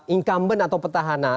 incumbent atau petana